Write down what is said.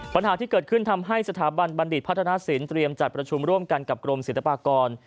ปัญหาที่เกิดขึ้นทำให้สถาบันบัณฑิตพัฒนศิลปเตรียมจัดประชุมร่วมกันกับกรมศิลปากร